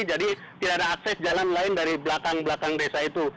jadi tidak ada akses jalan lain dari belakang belakang desa itu